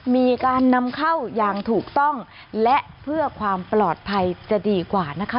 มีการนำเข้าอย่างถูกต้องและเพื่อความปลอดภัยจะดีกว่านะคะ